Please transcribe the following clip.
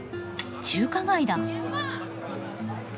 中華街だ。